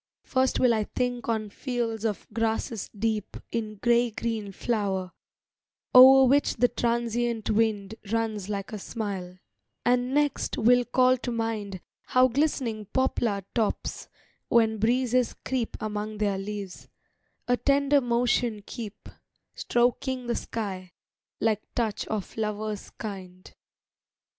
First will I think on fields of grasses deep In gray green flower, o'er which the transient wind Runs like a smile; and next will call to mind How glistening poplar tops, when breezes creep Among their leaves, a tender motion keep, Stroking the sky, like touch of lovers kind.